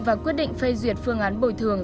và quyết định phê duyệt phương án bồi thường